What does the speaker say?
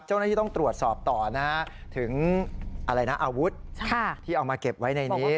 เจ้าหน้าที่ต้องตรวจสอบต่อนะฮะถึงอะไรนะอาวุธที่เอามาเก็บไว้ในนี้